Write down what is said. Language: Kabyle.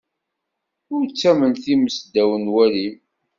Ur ttamen times ddaw n walim.